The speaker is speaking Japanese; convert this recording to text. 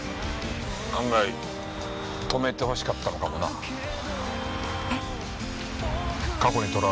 案外止めてほしかったのかもな。